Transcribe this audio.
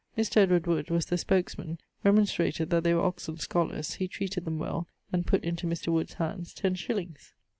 Mr. Edward Wood was the spookes man, remonstrated that they were Oxon scholars: he treated them well, and putt into Mr. Wood's hands ten shillings.